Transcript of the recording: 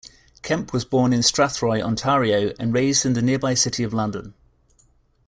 Kemp was born in Strathroy, Ontario and raised in the nearby city of London.